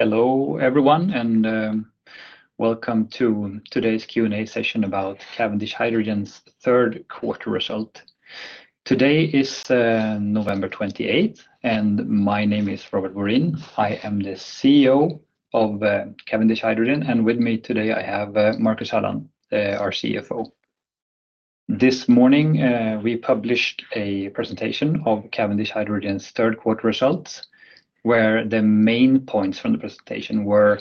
Hello, everyone, and welcome to today's Q&A session about Cavendish Hydrogen's third quarter results. Today is November 28, and my name is Robert Borin. I am the CEO of Cavendish Hydrogen, and with me today I have Marcus Halland, our CFO. This morning, we published a presentation of Cavendish Hydrogen's third quarter results, where the main points from the presentation were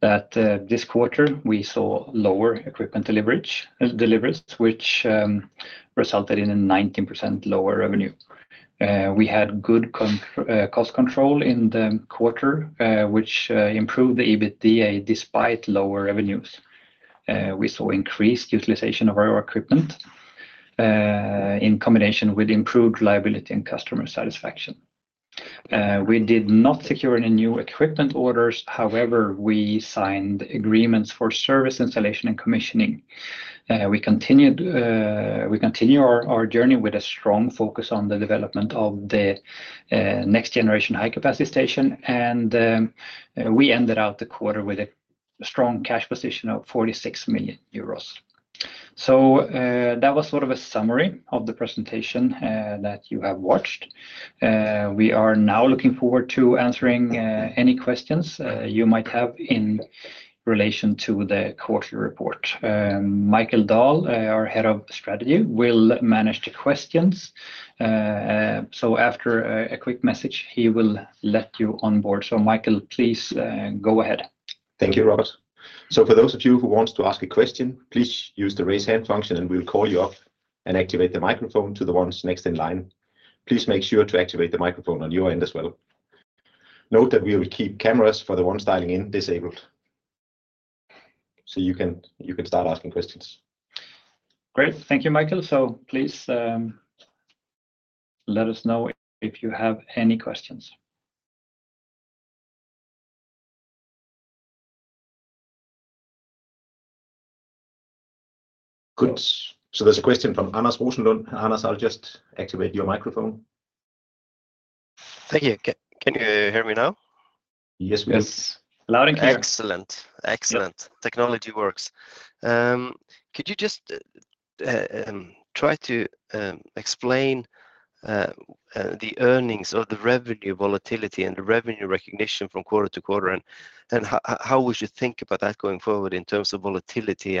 that this quarter we saw lower equipment delivery, which resulted in a 19% lower revenue. We had good cost control in the quarter, which improved the EBITDA despite lower revenues. We saw increased utilization of our equipment in combination with improved reliability and customer satisfaction. We did not secure any new equipment orders. However, we signed agreements for service installation and commissioning. We continue our journey with a strong focus on the development of the next-generation high-capacity station, and we ended out the quarter with a strong cash position of 46 million euros. So that was sort of a summary of the presentation that you have watched. We are now looking forward to answering any questions you might have in relation to the quarterly report. Michael Dahl, our head of strategy, will manage the questions. So after a quick message, he will let you on board. So Michael, please go ahead. Thank you, Robert. So for those of you who want to ask a question, please use the raise hand function, and we'll call you up and activate the microphone to the ones next in line. Please make sure to activate the microphone on your end as well. Note that we will keep cameras for the ones dialing in disabled. So you can start asking questions. Great. Thank you, Michael. So please let us know if you have any questions? Good. So there's a question from Anders Rosenlund. And Anders, I'll just activate your microphone. Thank you. Can you hear me now? Yes, we can. Loud and clear. Excellent. Excellent. Technology works. Could you just try to explain the earnings or the revenue volatility and the revenue recognition from quarter to quarter, and how would you think about that going forward in terms of volatility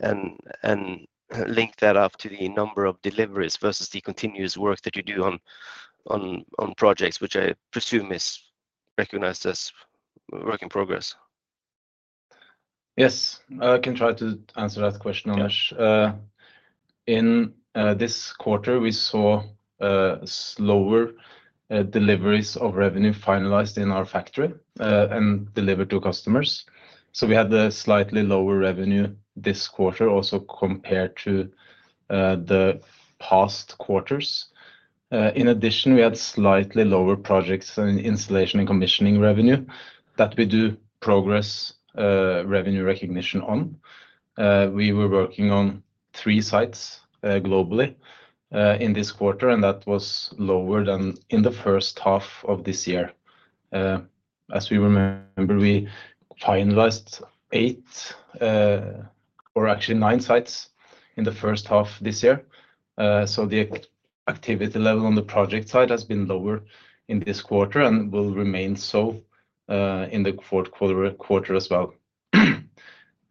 and link that up to the number of deliveries versus the continuous work that you do on projects, which I presume is recognized as work in progress? Yes. I can try to answer that question, Anders. In this quarter, we saw slower deliveries of revenue finalized in our factory and delivered to customers. So we had a slightly lower revenue this quarter also compared to the past quarters. In addition, we had slightly lower projects and installation and commissioning revenue that we do progress revenue recognition on. We were working on three sites globally in this quarter, and that was lower than in the first half of this year. As we remember, we finalized eight or actually nine sites in the first half this year. So the activity level on the project side has been lower in this quarter and will remain so in the fourth quarter as well.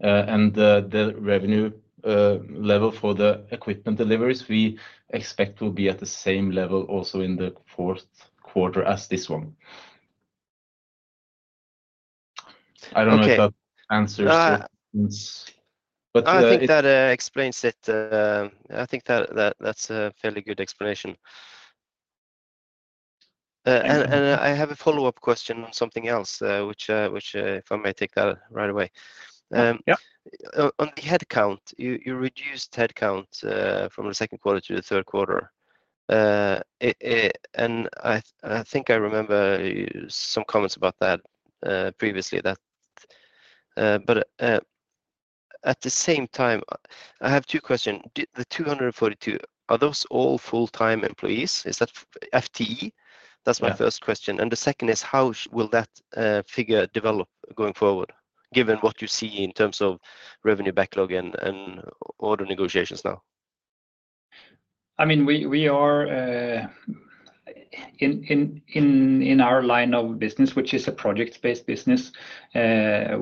And the revenue level for the equipment deliveries we expect will be at the same level also in the fourth quarter as this one. I don't know if that answers the questions. I think that explains it. I think that that's a fairly good explanation and I have a follow-up question on something else, which, if I may take that right away. On the headcount, you reduced headcount from the second quarter to the third quarter and I think I remember some comments about that previously, but at the same time, I have two questions. The 242, are those all full-time employees? Is that FTE? That's my first question and the second is, how will that figure develop going forward, given what you see in terms of revenue backlog and order negotiations now? I mean, we are in our line of business, which is a project-based business. I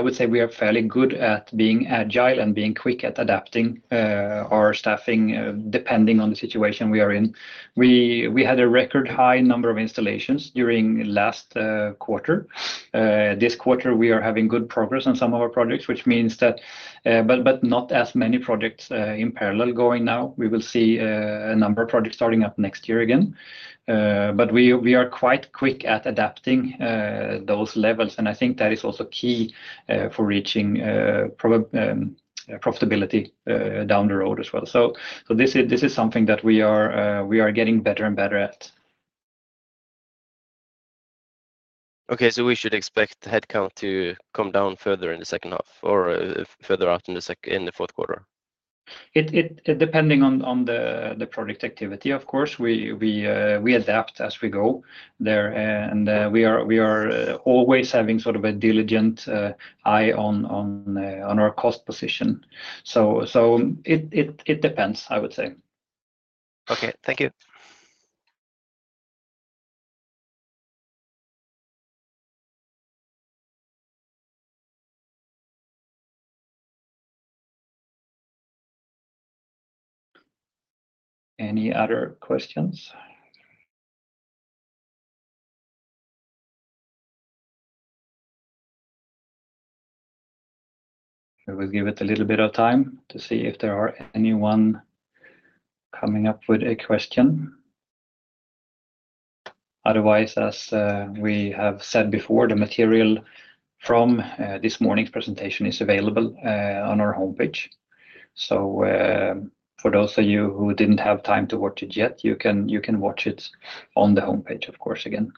would say we are fairly good at being agile and being quick at adapting our staffing depending on the situation we are in. We had a record high number of installations during last quarter. This quarter, we are having good progress on some of our projects, which means that but not as many projects in parallel going now. We will see a number of projects starting up next year again. But we are quite quick at adapting those levels, and I think that is also key for reaching profitability down the road as well. So this is something that we are getting better and better at. Okay, so we should expect headcount to come down further in the second half or further out in the fourth quarter? Depending on the project activity, of course. We adapt as we go there, and we are always having sort of a diligent eye on our cost position. So it depends, I would say. Okay. Thank you. Any other questions? We'll give it a little bit of time to see if there are anyone coming up with a question. Otherwise, as we have said before, the material from this morning's presentation is available on our homepage. So for those of you who didn't have time to watch it yet, you can watch it on the homepage, of course, again.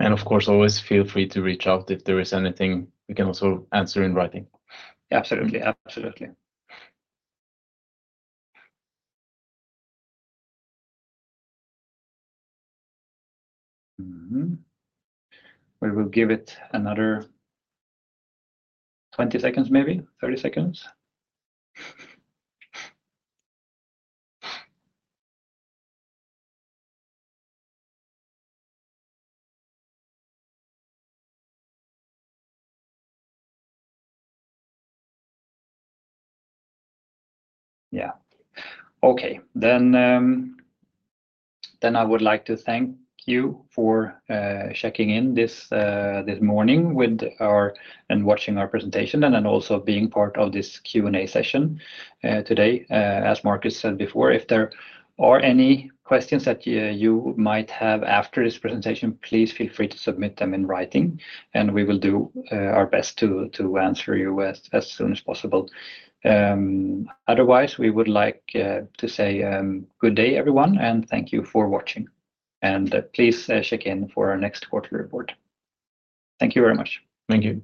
Of course, always feel free to reach out if there is anything we can also answer in writing. Absolutely. Absolutely. We will give it another 20 seconds, maybe 30 seconds. Yeah. Okay. Then I would like to thank you for checking in this morning and watching our presentation, and then also being part of this Q&A session today. As Marcus said before, if there are any questions that you might have after this presentation, please feel free to submit them in writing, and we will do our best to answer you as soon as possible. Otherwise, we would like to say good day, everyone, and thank you for watching. And please check in for our next quarterly report. Thank you very much. Thank you.